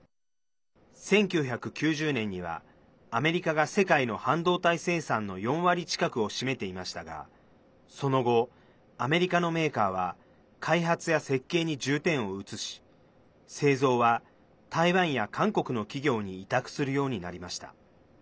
１９９０年にはアメリカが世界の半導体生産の４割近くを占めていましたがその後、アメリカのメーカーは開発や設計に重点を移し製造は台湾や韓国の企業に委託するようになりました。